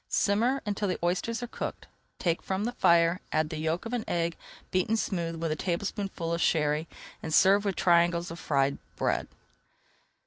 Simmer until the oysters are cooked, take from the fire, add the yolk of an egg beaten smooth with a tablespoonful of Sherry, and serve with triangles of fried bread.